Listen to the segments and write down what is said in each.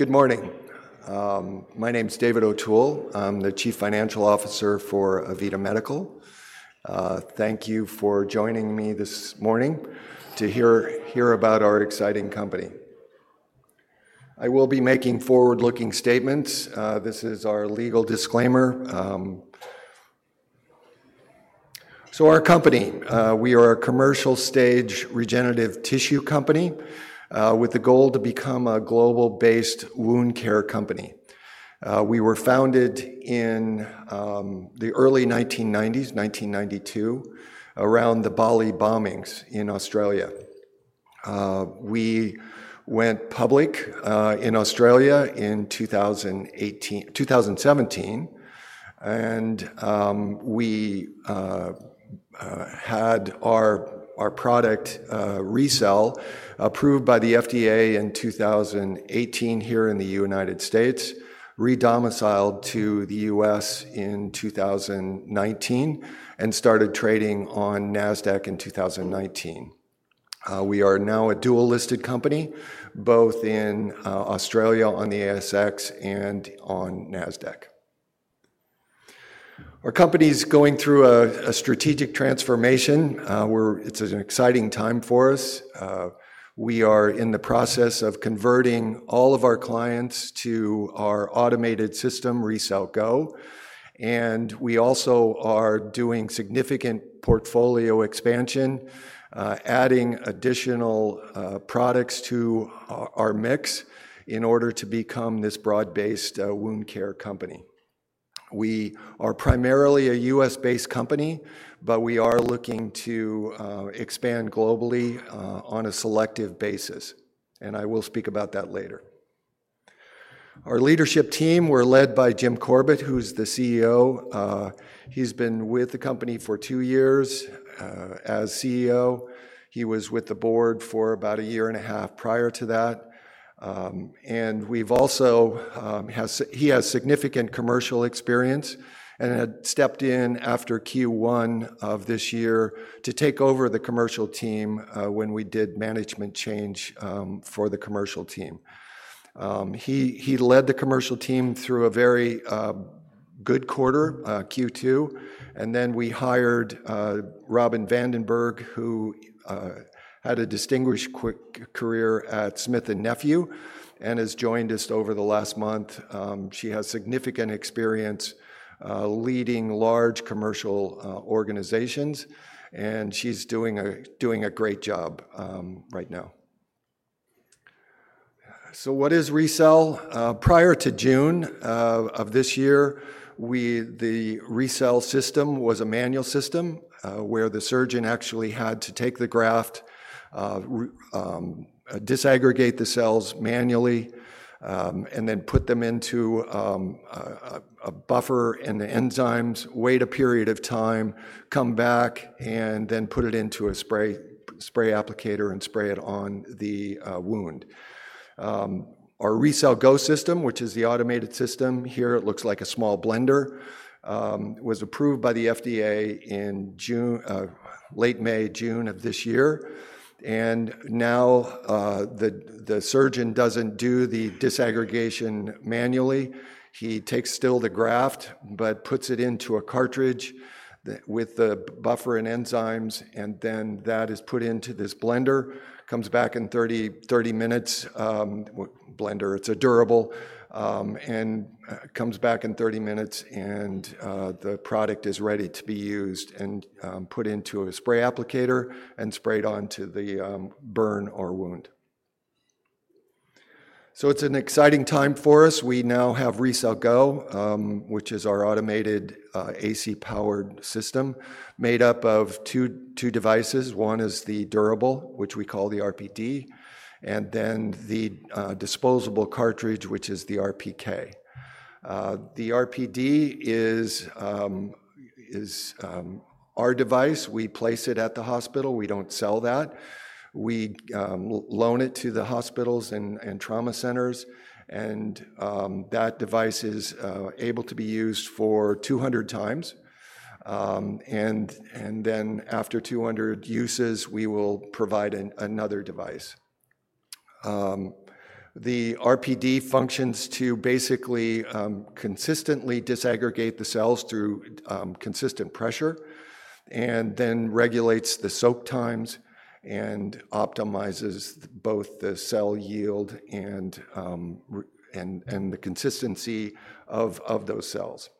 Good morning. My name is David O'Toole. I'm the Chief Financial Officer for AVITA Medical. Thank you for joining me this morning to hear about our exciting company. I will be making forward-looking statements. This is our legal disclaimer. So our company, we are a commercial stage regenerative tissue company, with the goal to become a global-based wound care company. We were founded in the early 1990s, 1992, around the Bali bombings in Australia. We went public in Australia in 2017, and we had our product, RECELL, approved by the FDA in 2018 here in the United States, re-domiciled to the U.S. in 2019, and started trading on NASDAQ in 2019. We are now a dual-listed company, both in Australia on the ASX and on NASDAQ. Our company's going through a strategic transformation. It's an exciting time for us. We are in the process of converting all of our clients to our automated system, RECELL GO, and we also are doing significant portfolio expansion, adding additional products to our mix in order to become this broad-based wound care company. We are primarily a U.S.-based company, but we are looking to expand globally on a selective basis, and I will speak about that later. Our leadership team, we're led by Jim Corbett, who's the CEO. He's been with the company for two years as CEO. He was with the board for about a year and a half prior to that. And we've also. He has significant commercial experience and had stepped in after Q1 of this year to take over the commercial team, when we did management change for the commercial team. He led the commercial team through a very good quarter, Q2, and then we hired Robin Vandenburgh, who had a distinguished quick career at Smith & Nephew and has joined us over the last month. She has significant experience leading large commercial organizations, and she's doing a great job right now. So what is RECELL? Prior to June of this year, the RECELL System was a manual system, where the surgeon actually had to take the graft, disaggregate the cells manually, and then put them into a buffer and the enzymes, wait a period of time, come back, and then put it into a spray applicator and spray it on the wound. Our RECELL GO system, which is the automated system here, it looks like a small blender, was approved by the FDA in June, late May, June of this year. Now, the surgeon doesn't do the disaggregation manually. He takes still the graft, but puts it into a cartridge with the buffer and enzymes, and then that is put into this blender, comes back in 30 minutes. Blender, it's a durable and comes back in 30 minutes, and the product is ready to be used and put into a spray applicator and sprayed onto the burn or wound. It's an exciting time for us. We now have RECELL GO, which is our automated AC-powered system made up of two devices. One is the durable, which we call the RPD, and then the disposable cartridge, which is the RPK. The RPD is our device. We place it at the hospital. We don't sell that. We loan it to the hospitals and trauma centers, and that device is able to be used for 200 times. Then, after 200 uses, we will provide another device. The RPD functions to basically consistently disaggregate the cells through consistent pressure, and then regulates the soak times and optimizes both the cell yield and the consistency of those cells.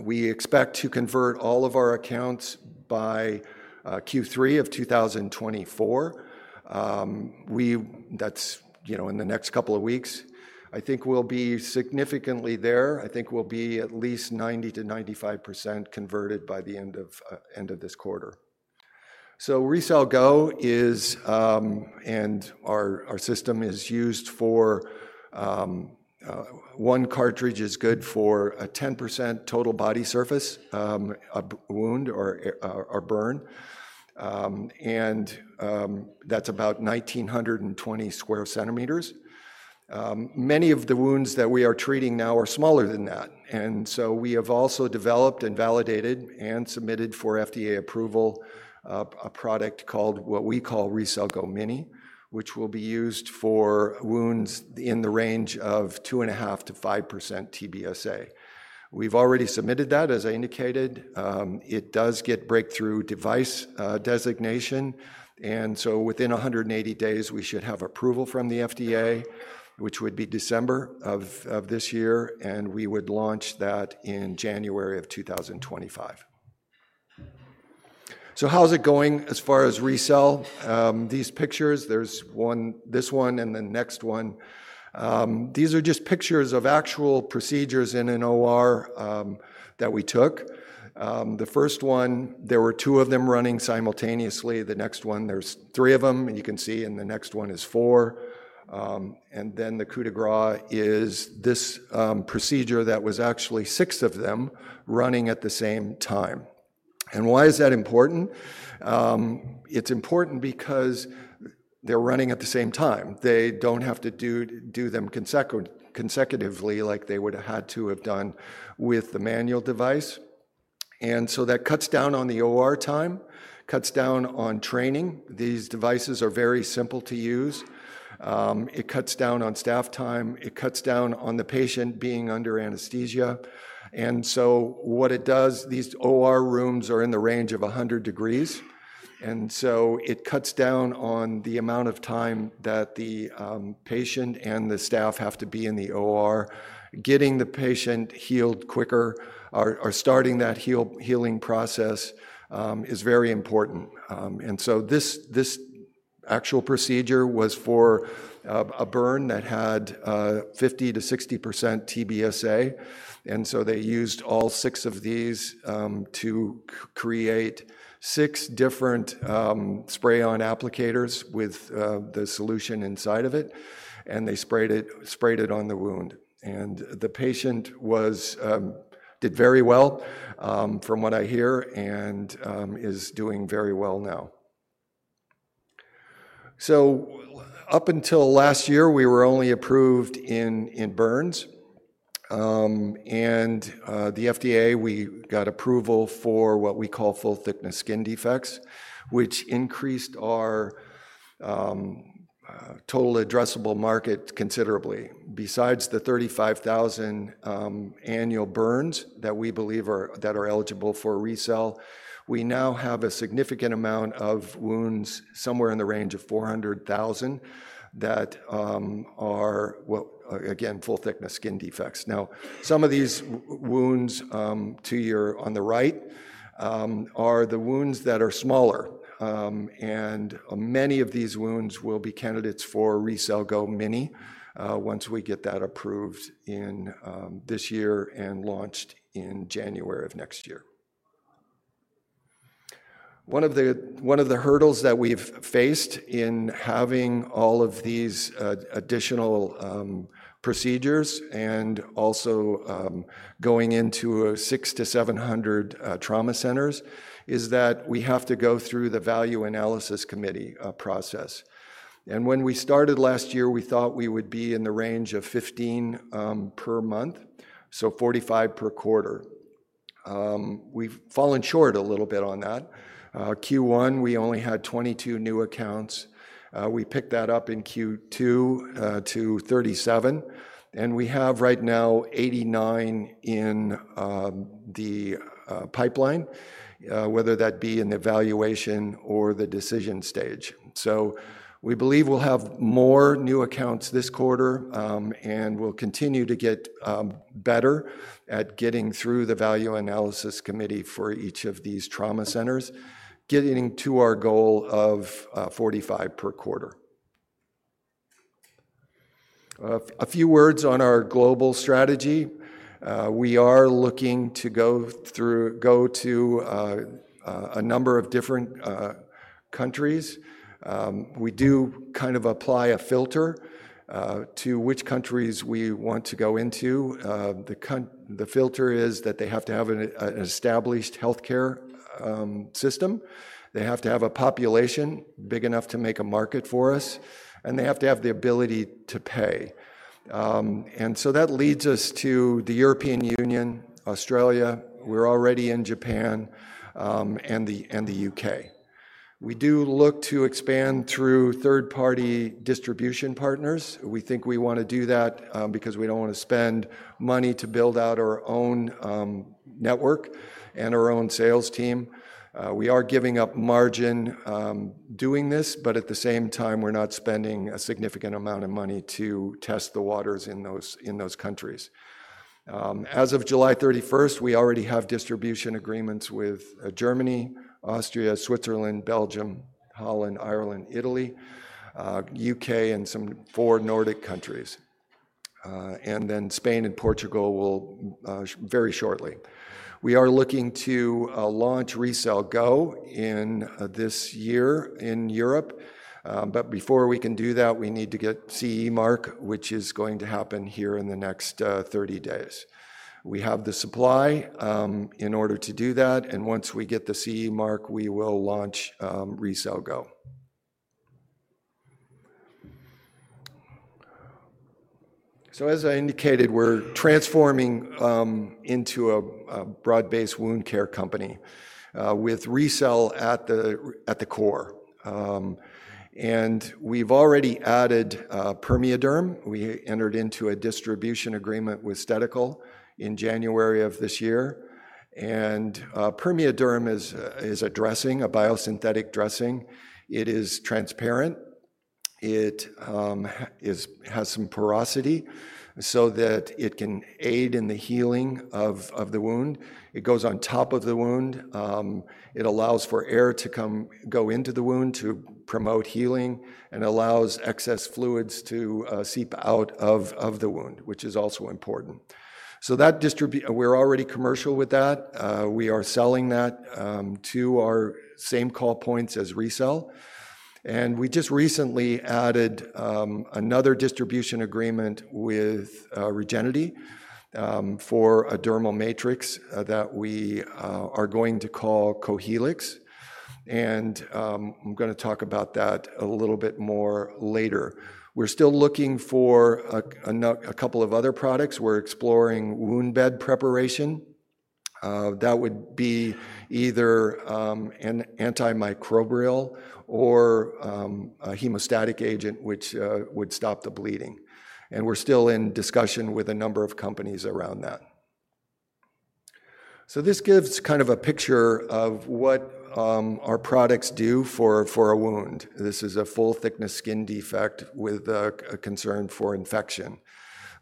We expect to convert all of our accounts by Q3 of 2024. That's, you know, in the next couple of weeks. I think we'll be significantly there. I think we'll be at least 90%-95% converted by the end of this quarter. So RECELL GO is, and our system is used for, one cartridge is good for a 10% total body surface, a wound or a burn. And that's about 1,920 sq cm. Many of the wounds that we are treating now are smaller than that, and so we have also developed and validated, and submitted for FDA approval, a product called what we call RECELL GO Mini, which will be used for wounds in the range of 2.5%-5% TBSA. We've already submitted that, as I indicated. It does get Breakthrough Device designation, and so within 180 days, we should have approval from the FDA, which would be December of this year, and we would launch that in January of 2025. How is it going as far as RECELL? These pictures, there's one, this one and the next one. These are just pictures of actual procedures in an OR that we took. The first one, there were two of them running simultaneously. The next one, there's three of them, and you can see, and the next one is four. And then the coup de grâce is this, procedure that was actually six of them running at the same time. And why is that important? It's important because they're running at the same time. They don't have to do them consecutively, like they would have had to have done with the manual device, and so that cuts down on the OR time, cuts down on training. These devices are very simple to use. It cuts down on staff time, it cuts down on the patient being under anesthesia. And so what it does, these OR rooms are in the range of a hundred degrees, and so it cuts down on the amount of time that the patient and the staff have to be in the OR. Getting the patient healed quicker or starting that healing process is very important. And so this actual procedure was for a burn that had 50%-60% TBSA, and so they used all six of these to create six different spray-on applicators with the solution inside of it, and they sprayed it on the wound. And the patient did very well from what I hear, and is doing very well now. So up until last year, we were only approved in burns. The FDA, we got approval for what we call full-thickness skin defects, which increased our total addressable market considerably. Besides the 35,000 annual burns that we believe are eligible for RECELL, we now have a significant amount of wounds, somewhere in the range of 400,000, that are full-thickness skin defects. Now, some of these wounds on the right are the wounds that are smaller. And many of these wounds will be candidates for RECELL GO Mini once we get that approved in this year and launched in January of next year. One of the hurdles that we've faced in having all of these additional procedures and also going into a 600-700 trauma centers is that we have to go through the Value Analysis Committee process. And when we started last year, we thought we would be in the range of 15 per month, so 45 per quarter. We've fallen short a little bit on that. Q1, we only had 22 new accounts. We picked that up in Q2 to 37, and we have right now 89 in the pipeline whether that be in the evaluation or the decision stage. So we believe we'll have more new accounts this quarter, and we'll continue to get better at getting through the Value Analysis Committee for each of these trauma centers, getting to our goal of forty-five per quarter. A few words on our global strategy. We are looking to go to a number of different countries. We do kind of apply a filter to which countries we want to go into. The filter is that they have to have an established healthcare system. They have to have a population big enough to make a market for us, and they have to have the ability to pay. And so that leads us to the European Union, Australia, we're already in Japan, and the U.K. We do look to expand through third-party distribution partners. We think we wanna do that, because we don't wanna spend money to build out our own, network and our own sales team. We are giving up margin, doing this, but at the same time, we're not spending a significant amount of money to test the waters in those countries. As of July thirty-first, we already have distribution agreements with Germany, Austria, Switzerland, Belgium, Holland, Ireland, Italy, U.K., and some four Nordic countries. And then Spain and Portugal will, very shortly. We are looking to launch RECELL GO in this year in Europe. But before we can do that, we need to get CE mark, which is going to happen here in the next thirty days. We have the supply in order to do that, and once we get the CE mark, we will launch RECELL GO. As I indicated, we're transforming into a broad-based wound care company with RECELL at the core. And we've already added PermeaDerm. We entered into a distribution agreement with Stedical in January of this year, and PermeaDerm is a dressing, a biosynthetic dressing. It is transparent. It has some porosity so that it can aid in the healing of the wound. It goes on top of the wound. It allows for air to go into the wound to promote healing and allows excess fluids to seep out of the wound, which is also important. So that distribution we're already commercial with that. We are selling that to our same call points as RECELL, and we just recently added another distribution agreement with Regenity for a dermal matrix that we are going to call Cohelix. And I'm gonna talk about that a little bit more later. We're still looking for a couple of other products. We're exploring wound bed preparation. That would be either an antimicrobial or a hemostatic agent, which would stop the bleeding. And we're still in discussion with a number of companies around that. So this gives kind of a picture of what our products do for a wound. This is a full-thickness skin defect with a concern for infection.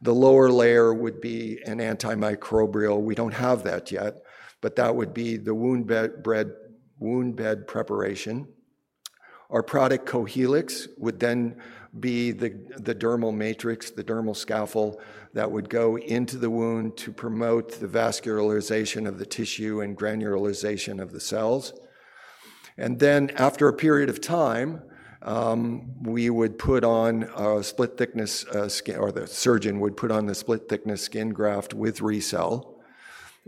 The lower layer would be an antimicrobial. We don't have that yet, but that would be the wound bed preparation. Our product, Cohelix, would then be the dermal matrix, the dermal scaffold that would go into the wound to promote the vascularization of the tissue and granulation of the cells. Then after a period of time, we would put on a split-thickness skin, or the surgeon would put on the split-thickness skin graft with RECELL.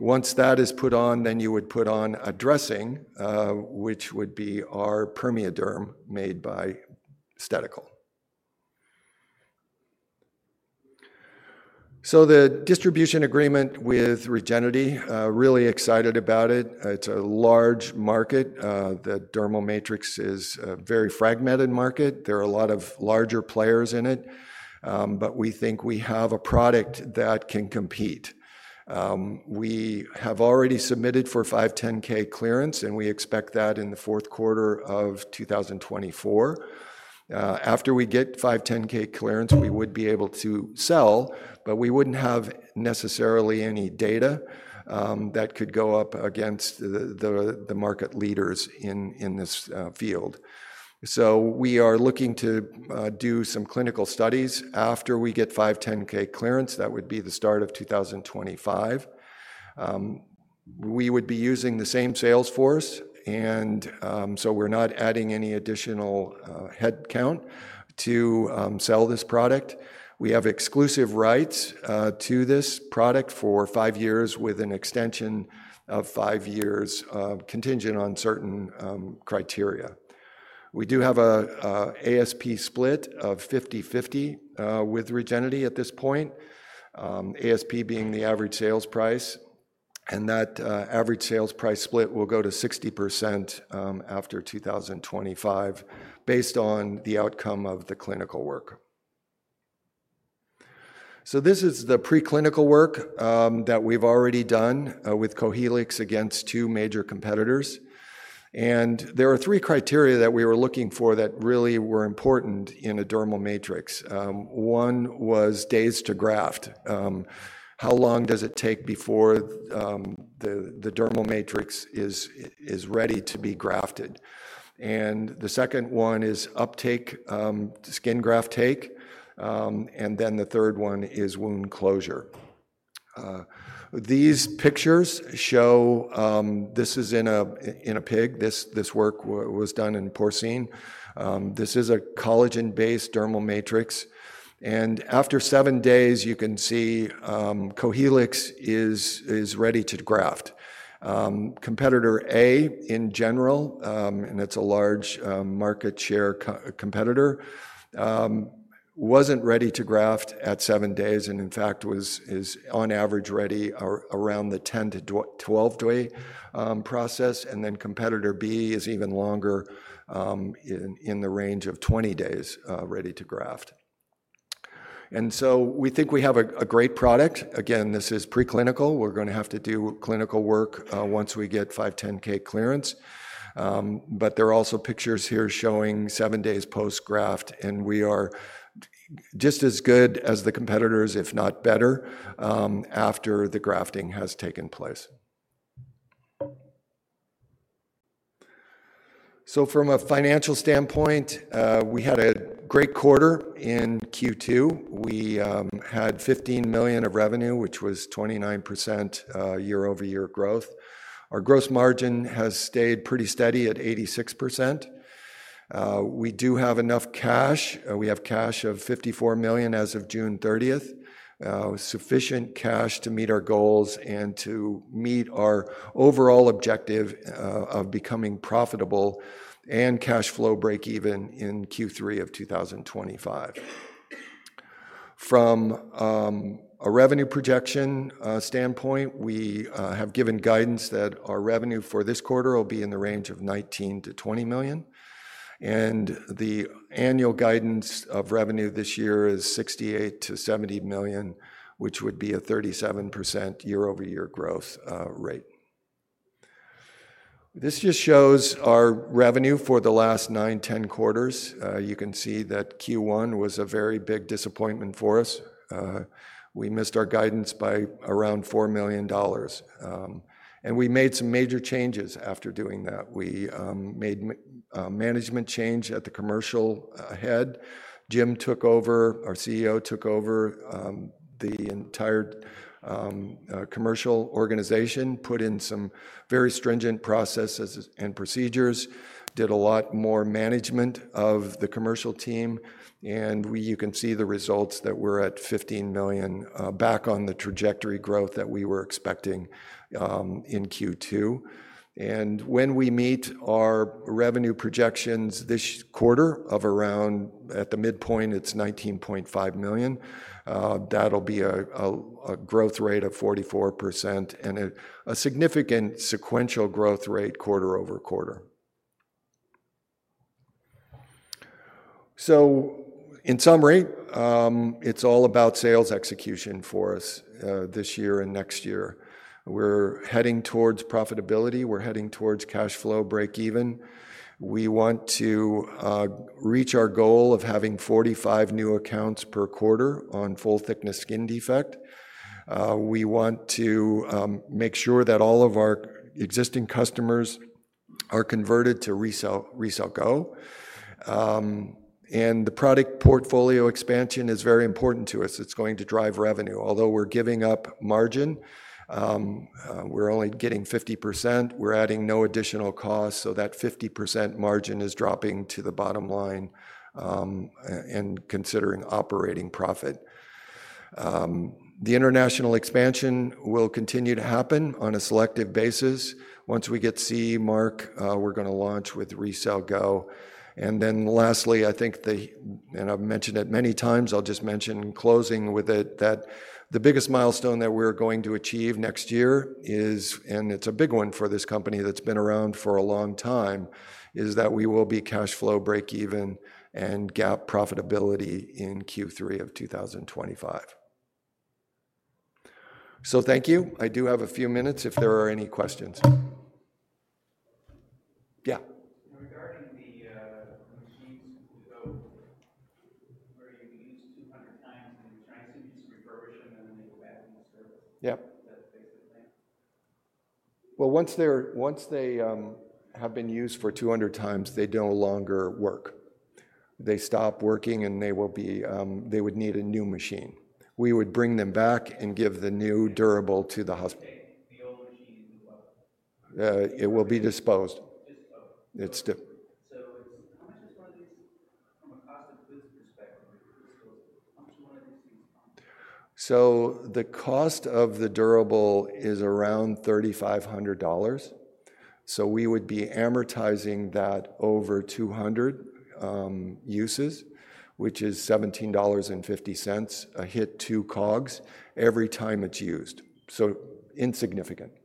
Once that is put on, then you would put on a dressing, which would be our PermeaDerm made by Stedical. So the distribution agreement with Regenity, really excited about it. It's a large market. The dermal matrix is a very fragmented market. There are a lot of larger players in it, but we think we have a product that can compete. We have already submitted for 510(k) clearance, and we expect that in the fourth quarter of 2024. After we get 510(k) clearance, we would be able to sell, but we wouldn't have necessarily any data that could go up against the market leaders in this field. So we are looking to do some clinical studies after we get 510(k) clearance. That would be the start of 2025. We would be using the same sales force, and so we're not adding any additional headcount to sell this product. We have exclusive rights to this product for five years, with an extension of five years contingent on certain criteria. We do have a 50-50 ASP split with Regenity at this point, ASP being the average sales price, and that average sales price split will go to 60% after 2025 based on the outcome of the clinical work. So this is the preclinical work that we've already done with Cohelix against two major competitors. And there are three criteria that we were looking for that really were important in a dermal matrix. One was days to graft. How long does it take before the dermal matrix is ready to be grafted? And the second one is uptake, skin graft take, and then the third one is wound closure. These pictures show this is in a pig. This work was done in porcine. This is a collagen-based dermal matrix, and after seven days, you can see, Cohelix is ready to graft. Competitor A, in general, and it's a large market share competitor, wasn't ready to graft at seven days and, in fact, is on average ready around the 10- to 12-day process. And then competitor B is even longer, in the range of 20 days ready to graft. And so we think we have a great product. Again, this is preclinical. We're gonna have to do clinical work once we get 510(k) clearance. But there are also pictures here showing seven days post-graft, and we are just as good as the competitors, if not better, after the grafting has taken place. So from a financial standpoint, we had a great quarter in Q2. We had $15 million of revenue, which was 29% year-over-year growth. Our gross margin has stayed pretty steady at 86%. We do have enough cash. We have cash of $54 million as of June 13th. Sufficient cash to meet our goals and to meet our overall objective of becoming profitable and cash flow breakeven in Q3 of 2025. From a revenue projection standpoint, we have given guidance that our revenue for this quarter will be in the range of $19 million-$20 million, and the annual guidance of revenue this year is $68 million-$70 million, which would be a 37% year-over-year growth rate. This just shows our revenue for the last nine, ten quarters. You can see that Q1 was a very big disappointment for us. We missed our guidance by around $4 million, and we made some major changes after doing that. We made a management change at the commercial head. Jim took over, our CEO took over, the entire commercial organization, put in some very stringent processes and procedures, did a lot more management of the commercial team, and you can see the results that we're at $15 million, back on the trajectory growth that we were expecting, in Q2. And when we meet our revenue projections this quarter of around at the midpoint, it's $19.5 million, that'll be a growth rate of 44% and a significant sequential growth rate quarter over quarter. So in summary, it's all about sales execution for us, this year and next year. We're heading towards profitability. We're heading towards cash flow breakeven. We want to reach our goal of having 45 new accounts per quarter on full-thickness skin defect. We want to make sure that all of our existing customers are converted to RECELL, RECELL GO. And the product portfolio expansion is very important to us. It's going to drive revenue. Although we're giving up margin, we're only getting 50%. We're adding no additional cost, so that 50% margin is dropping to the bottom line and considering operating profit. The international expansion will continue to happen on a selective basis. Once we get CE mark, we're gonna launch with RECELL GO. And then lastly, I think the... And I've mentioned it many times. I'll just mention in closing with it that the biggest milestone that we're going to achieve next year is, and it's a big one for this company that's been around for a long time, is that we will be cash flow breakeven and GAAP profitability in Q3 of 2025. So thank you. I do have a few minutes if there are any questions. Yeah? Regarding the RECELL GO, where you use 200 times, and you try and send you some refurbishment, and then they go back and serve- Yeah. Does that fix the thing? Once they have been used for 200 times, they no longer work. They stop working, and they would need a new machine. We would bring them back and give the new durable to the hospital. The old machine, what? It will be disposed. Disposed. It's d- So it's, how much does one of these, from a cost of goods perspective, how much does one of these things cost? So the cost of the durable is around $3,500. So we would be amortizing that over 200 uses, which is $17.50 a hit to COGS every time it's used. So insignificant. Yeah.